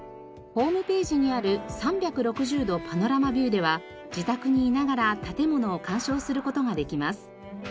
ホームページにある３６０度パノラマビューでは自宅にいながら建物を鑑賞する事ができます。